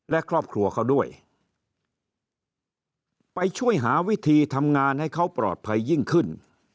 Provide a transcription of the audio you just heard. และครอบครัวเขาด้วยไปช่วยหาวิธีทำงานให้เขาปลอดภัยยิ่งขึ้น